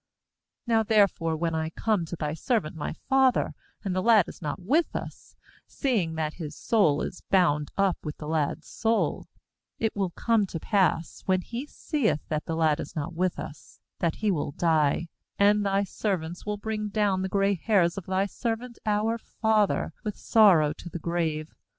30Now therefore when I come to thy servant my father, and the lad is not with us; seeing that his soul is bound up with the lad's soul; 31it will come to pass, when he seeth that the lad is not with us, that he will die; and thy servants will bring down the gray hairs of thy servant our father with sorrow to the grave.